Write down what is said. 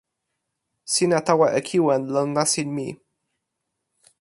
sina tawa e kiwen lon nasin mi.